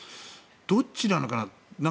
どっちなのかな。